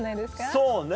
そうね。